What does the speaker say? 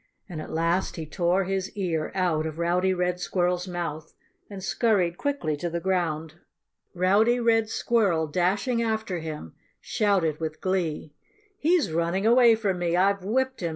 And at last he tore his ear out of Rowdy Red Squirrel's mouth and scurried quickly to the ground. Rowdy Red Squirrel, dashing after him, shouted with glee. "He's running away from me! I've whipped him!"